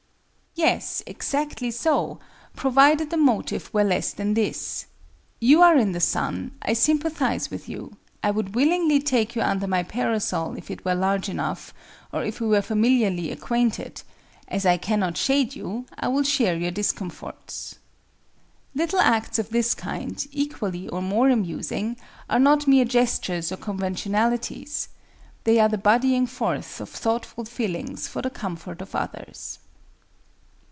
—Yes, exactly so, provided the motive were less than this: "You are in the sun; I sympathize with you; I would willingly take you under my parasol if it were large enough, or if we were familiarly acquainted; as I cannot shade you, I will share your discomforts." Little acts of this kind, equally or more amusing, are not mere gestures or conventionalities. They are the "bodying forth" of thoughtful feelings for the comfort of others.